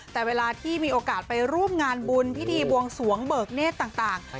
แต่เวลาที่มีโอกาสไปร่วมงานบุญพิธีบวงสวงเบิกเนธต่าง